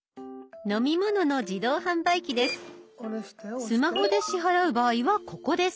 飲み物の自動販売機です。